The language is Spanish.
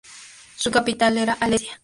Su capital era Alesia.